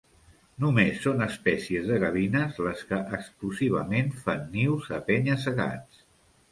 Només són espècies de gavines les que exclusivament fan nius a penya-segats.